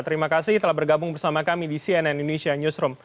terima kasih telah bergabung bersama kami di cnn indonesia newsroom